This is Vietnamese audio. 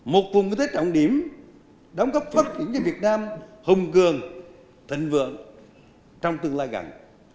một vùng kinh tế trọng điểm đóng góp phát triển cho việt nam hùng cường thịnh vượng trong tương lai gần